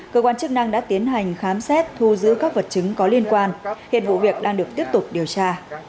cơ quan chức năng đã tiến hành khám xét thu giữ các vật chứng có liên quan hiện vụ việc đang được tiếp tục điều tra